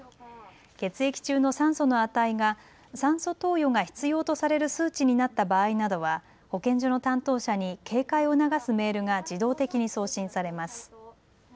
血液中の酸素の値が酸素投与が必要とされる数値になった場合などは保健所の担当者に警戒を促すメールが自動的に送信されます。